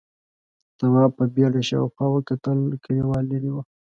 تواب په بيړه شاوخوا وکتل، کليوال ليرې و: